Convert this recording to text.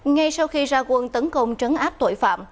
ngay sau khi ra quân tấn công trấn áp tội phạm